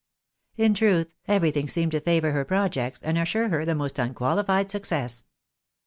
In truth, everything seemed to favour her projects, and assure her the most unquahfied success.